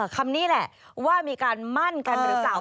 คำนี้แหละว่ามีการมั่นกันหรือเปล่า